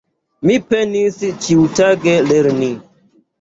Mi penis ĉiutage lerni.